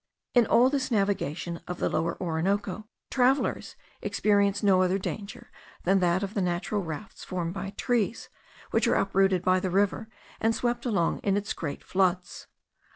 In all this navigation of the Lower Orinoco travellers experience no other danger than that of the natural rafts formed by trees, which are uprooted by the river, and swept along in its great floods.